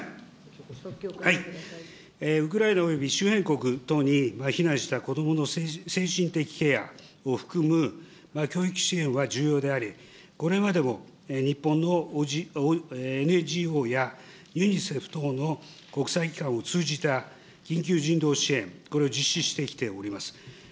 ウクライナおよび周辺国等に避難したこどもの精神的ケアを含む教育支援は重要であり、これまでも日本のＮＧＯやユニセフ等の国際機関を通じた緊急人道支援、これを実施してきております。